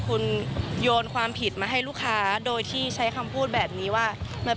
อืมอืมอืมอืมอืมอืม